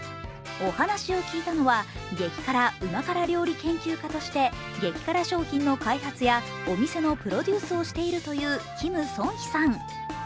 お話を聞いたのは激辛・旨辛料理研究家として激辛商品の開発やお店のプロデュースをしているというキム・ソンヒさん。